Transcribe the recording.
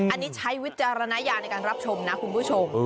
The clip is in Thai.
อันนี้ใช้วิจารณญาณในการรับชมนะคุณผู้ชม